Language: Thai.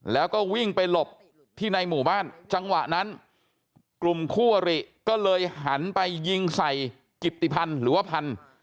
แล้วก็วิ่งไปหลบที่ในหมู่บ้านจังหวะนั้นกลุ่มคู่อริก็เลยหันไปยิงใส่กิตติพันธ์หรือว่าพันธุ์